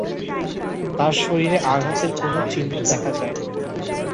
তাঁর শরীরে আঘাতের কোনো চিহ্ন দেখা যায়নি।